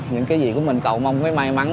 những cái gì của mình cầu mong cái may mắn